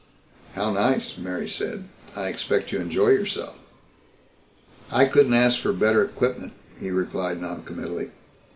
"How nice," Mary said. "I expect you enjoy yourself." "I couldn't ask for better equipment," he replied noncommittally.